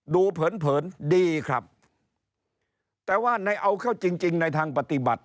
เผินเผินดีครับแต่ว่าในเอาเข้าจริงจริงในทางปฏิบัติ